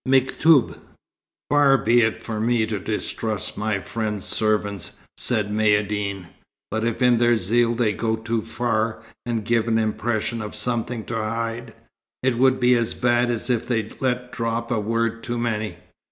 Mektûb! "Far be it from me to distrust my friend's servants," said Maïeddine; "but if in their zeal they go too far and give an impression of something to hide, it would be as bad as if they let drop a word too many."